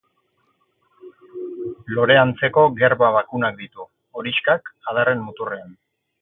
Lore antzeko gerba bakunak ditu, horixkak, adarren muturrean.